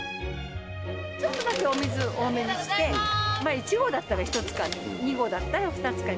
ちょっとだけ、お水多めにして、１号だったらひとつかみ、２合だったらふたつかみ。